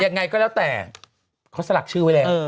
ยังไงก็แล้วแต่เขาสลักชื่อไว้แล้ว